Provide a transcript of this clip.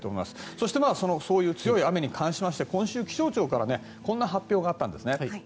そして、強い雨に関しまして今週、気象庁からこんな発表があったんです。